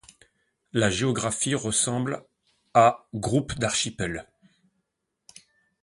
La géographie ressemble à groupe d'archipels.